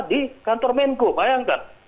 di kantor menko bayangkan